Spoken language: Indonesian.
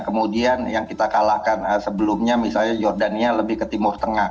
kemudian yang kita kalahkan sebelumnya misalnya jordania lebih ke timur tengah